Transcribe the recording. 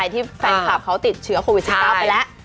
ที่แฟนคลับเขาติดเชื้อโควิด๑๙ไปแล้ว